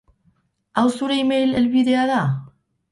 Hau zure email helbidea da?